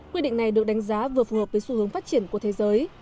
quy định này được đánh giá vừa phù hợp với xu hướng phát triển của thế giới